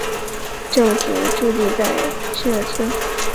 镇政府驻地在筱埕村。